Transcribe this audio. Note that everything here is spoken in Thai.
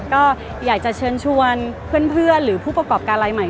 ก็อยากจะเชิญชวนเพื่อนหรือผู้ประกอบการรายใหม่